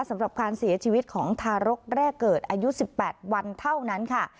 สำหรับการเสียชีวิตของทารกแรกเกิดอายุ๑๘วันเท่านั้นค่ะ